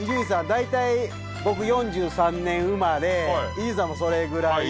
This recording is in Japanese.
だいたい僕４３年生まれ伊集院さんもそれぐらい。